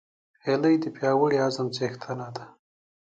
هیلۍ د پیاوړي عزم څښتنه ده